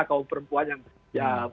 kaum perempuan yang ya